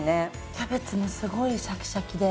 キャベツもすごいシャキシャキで。